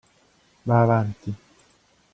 Va' avanti.